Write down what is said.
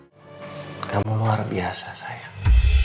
hai kamu luar biasa sayang